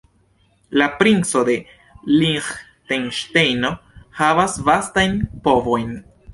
La Princo de Liĥtenŝtejno havas vastajn povojn.